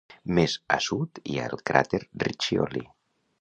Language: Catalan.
Més a sud hi ha el cràter Riccioli.